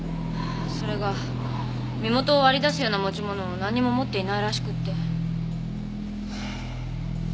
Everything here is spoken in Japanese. それが身元を割り出すような持ち物を何にも持っていないらしくって。